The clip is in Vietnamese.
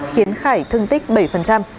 khiến khải thương tích bảy